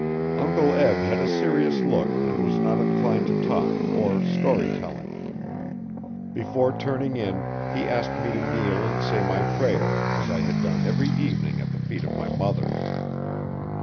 Uncle Eb had a serious look and was not inclined to talk or story telling. Before turning in he asked me to kneel and say my prayer as I had done every evening at the feet of my mother.